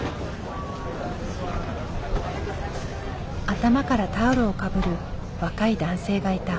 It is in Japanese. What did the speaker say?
頭からタオルをかぶる若い男性がいた。